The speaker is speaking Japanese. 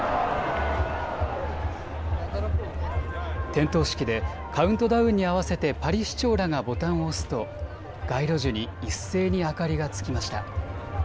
点灯式でカウントダウンに合わせてパリ市長らがボタンを押すと街路樹に一斉に明かりがつきました。